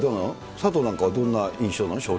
佐藤なんかはどんな印象なの？